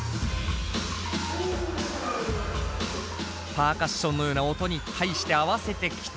パーカッションのような音に対して合わせてきたＡｎｔｉ。